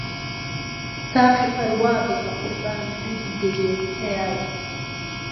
ساقی ئەر وا بێ بە قوربانی دوو دیدەی بێ، ئەیاز